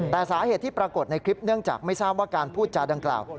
แต่สาเหตุที่ปรากฏในคลิปเนื่องจากไม่ทราบว่าการพูดจาดังกล่าว